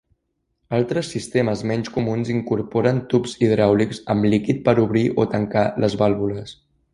Altres sistemes menys comuns incorporen tubs hidràulics amb líquid per obrir o tancar les vàlvules.